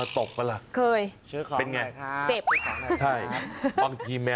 ตบอย่างไง